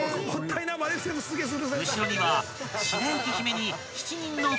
［後ろには］